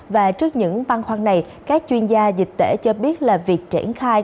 và trước những băng khoăn này các chuyên gia dịch tễ cho biết là việc triển khai